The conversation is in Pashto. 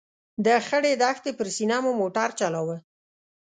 د خړې دښتې پر سینه مو موټر چلاوه.